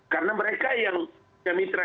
karena mereka yang mitra